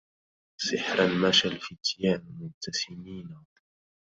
سحرا مشى الفتيان مبتسمينا